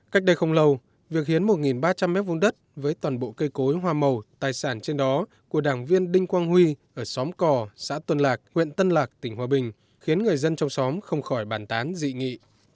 cách đây không lâu việc hiến một ba trăm linh m hai đất với toàn bộ cây cối hoa màu tài sản trên đó của đảng viên đinh quang huy ở xóm cò xã tân lạc huyện tân lạc tỉnh hòa bình khiến người dân trong xóm không khỏi bàn tán dị nghị